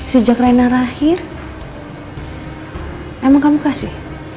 sejak reyna terakhir emang kamu kasih